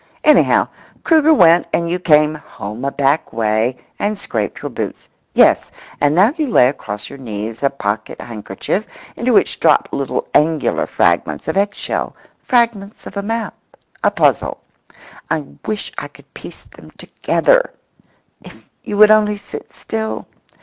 Anyhow, Kruger went, and you came "home a back way," and scraped your boots. Yes. And now you lay across your knees a pocket handkerchief into which drop little angular fragments of eggshell—fragments of a map—a puzzle. I wish I could piece them together! If you would only sit still.